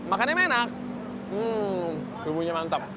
makan emang enak hmm bubunya mantap